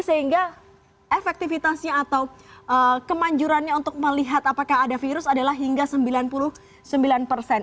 sehingga efektivitasnya atau kemanjurannya untuk melihat apakah ada virus adalah hingga sembilan puluh sembilan persen